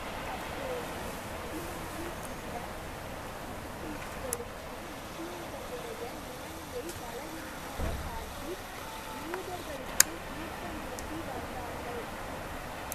அப்பொழுது, மதீனாவில் உள்ள முனாபிக்குகளும் முஸ்லிம்களுடைய நிலைமையை பலவீனமாகக் காட்டி, யூதர்களுக்கு ஊக்கமூட்டி வந்தார்கள்.